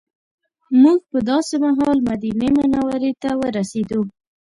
موږ په داسې مهال مدینې منورې ته ورسېدو.